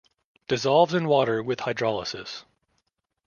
Dissolves in water with hydrolysis.